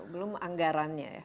belum anggarannya ya